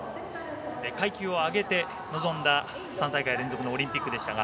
階級を上げて臨んだ３大会連続のオリンピックでした。